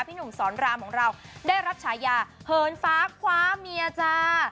หนุ่มสอนรามของเราได้รับฉายาเหินฟ้าคว้าเมียจ้า